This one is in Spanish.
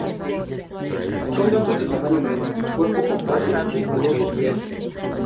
Son gatos de tamaño medio, cuerpo compacto, musculoso y ágil.